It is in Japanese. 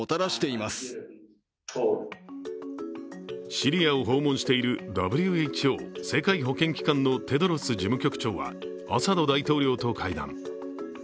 シリアを訪問しているＷＨＯ＝世界保健機関のテドロス事務局長はアサド大統領と会談。